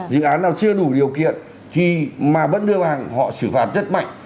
dự án nào chưa đủ điều kiện mà vẫn đưa hàng họ xử phạt rất mạnh